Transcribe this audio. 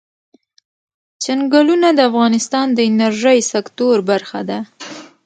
چنګلونه د افغانستان د انرژۍ سکتور برخه ده.